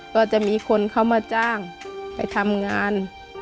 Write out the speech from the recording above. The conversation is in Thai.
ก็จะมีคนเขามาจ้างไปทำงาน